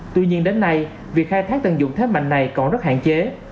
tuy nhiên đến nay việc khai thác tận dụng thế mạnh này còn rất hạn chế